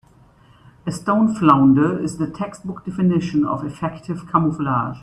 A stone flounder is the textbook definition of effective camouflage.